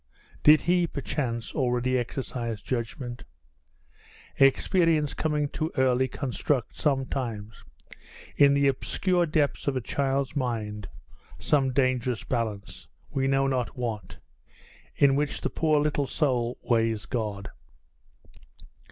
Did he, perchance, already exercise judgment? Experience coming too early constructs, sometimes, in the obscure depths of a child's mind, some dangerous balance we know not what in which the poor little soul weighs God.